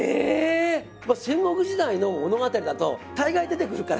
まあ戦国時代の物語だと大概出てくるから。